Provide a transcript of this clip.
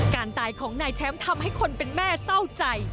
การตายของนายแชมป์ทำให้คนเป็นแม่เศร้าใจ